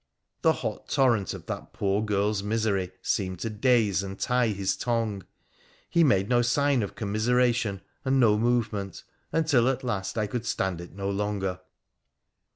The hot torrent of that poor girl's misery seemed to daze and tie his tongue : he made no sign of commiseration and no movement, until at last I could stand it no longer.